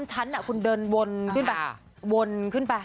๓ชั้นคุณเดินวนขึ้นไป